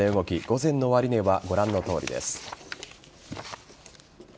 午前の終値はご覧のとおりです。